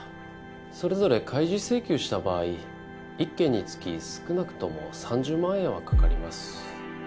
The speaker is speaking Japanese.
それぞれ開示請求した場合１件につき少なくとも３０万円はかかります。